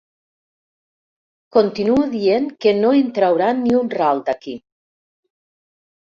Continuo dient que no en trauran ni un ral, d'aquí.